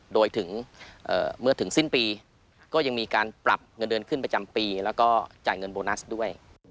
โดยถึงเมื่อถึงสิ้นปีก็ยังมีการปรับเงินเดือนขึ้นประจำปีแล้วก็จ่ายเงินโบนัสด้วย